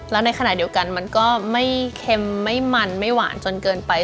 แล้วในขณะเดียวกันมันก็ไม่เค็มไม่มันไม่หวานจนเกินไป